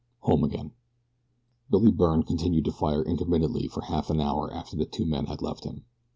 HOME AGAIN BILLY BYRNE continued to fire intermittently for half an hour after the two men had left him.